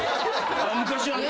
昔はね。